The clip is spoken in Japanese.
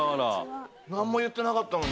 何も言ってなかったのに。